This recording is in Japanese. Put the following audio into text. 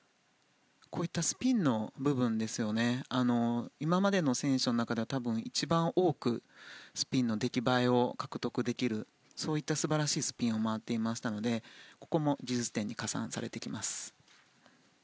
こういったスピンの部分で今までの選手の中では多分、一番多くスピンの出来栄えを獲得できるそういった素晴らしいスピンを回っていましたのでここも技術点に加算されていきます。